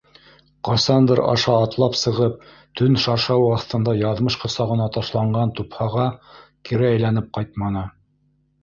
Ҡасандыр аша атлап сығып, төн шаршауы аҫтында яҙмыш ҡосағына ташланған тупһаға кире әйләнеп ҡайтманы.